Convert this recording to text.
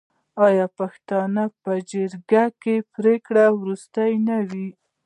آیا د پښتنو په جرګه کې پریکړه وروستۍ نه وي؟